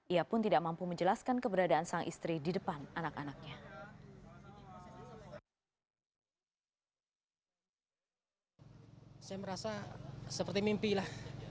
ia pun tidak mampu menjelaskan keberadaan sang istri di depan anak anaknya